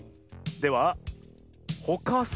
では「ほかす」